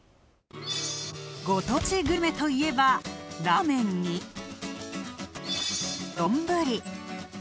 ご当地グルメといえば、ラーメンに、どんぶり。